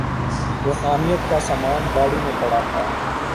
روحانیت کا سامان گاڑی میں پڑا تھا۔